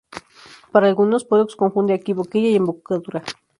Para algunos, Pólux confunde aquí boquilla y embocadura.